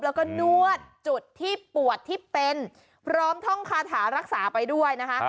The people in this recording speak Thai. แล้วก็นวดจุดที่ปวดที่เป็นพร้อมท่องคาถารักษาไปด้วยนะคะ